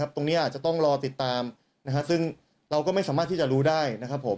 ตรงนี้อาจจะต้องรอติดตามซึ่งเราก็ไม่สามารถที่จะรู้ได้นะครับผม